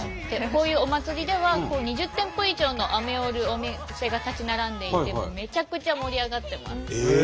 こういうお祭りでは２０店舗以上のアメを売るお店が立ち並んでいてめちゃくちゃ盛り上がってます。